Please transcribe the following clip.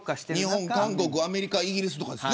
日本、韓国アメリカ、イギリスですね。